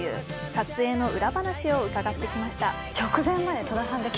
撮影の裏話を伺ってきました。